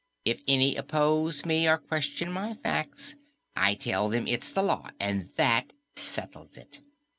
If any oppose me or question my acts, I tell them it's the law and that settles it.